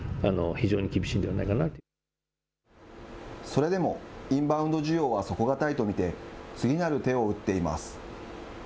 それでもインバウンド需要は底堅いと見て、次なる手を打っています。